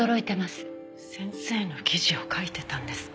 先生の記事を書いてたんですか。